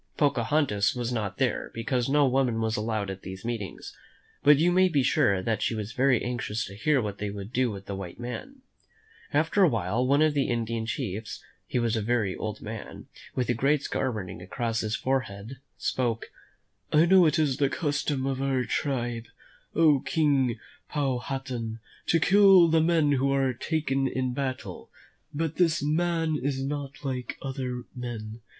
Pocahontas was not there, because no woman was allowed at these meetings; but you may be sure that she was very anxious to hear what they would do with the white man. After a while, one of the Indian chiefs — he was a very old man, with a great scar running across his forehead — spoke: (0^ i; \; 109 THE MEN WHO FOUND AMERICA •^ *f» Ki "I know it is the custom of our tribe, oh, King Powhatan, to kill the men who are taken in battle; but this man is not like other men.